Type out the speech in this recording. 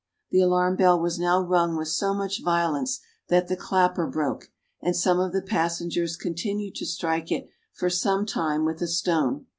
The alarm bell was now rung with so much violence that the clapper broke, and some of the passengers continued to strike it for some time with a stone.